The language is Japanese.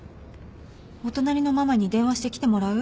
お隣のママに電話して来てもらう？